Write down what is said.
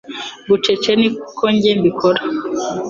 Bucece ni ko nge mbi kora